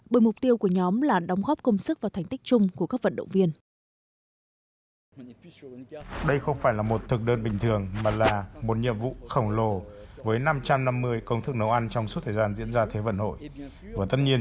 bởi mục tiêu của nhóm là đóng góp công sức và thành tích chung của các vận động viên